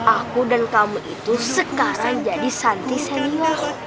aku dan kamu itu sekarang jadi santri senior